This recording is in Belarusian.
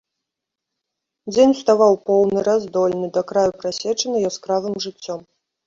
Дзень уставаў поўны, раздольны, да краю прасечаны яскравым жыццём.